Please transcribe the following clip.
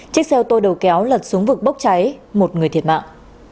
chiếc xe ô tô đầu kéo lật xuống vực bốc cháy một người thiệt mạng